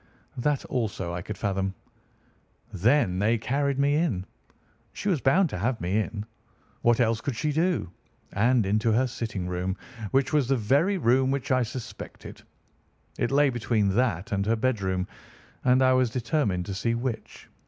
"That also I could fathom." "Then they carried me in. She was bound to have me in. What else could she do? And into her sitting room, which was the very room which I suspected. It lay between that and her bedroom, and I was determined to see which.